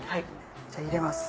じゃあ入れます。